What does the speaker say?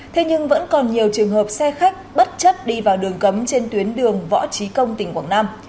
thế nhưng vẫn còn nhiều trường hợp xe khách bất chấp đi vào đường cấm trên tuyến đường võ trí công tỉnh quảng nam